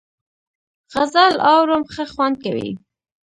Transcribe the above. غزل اورم ښه خوند کوي .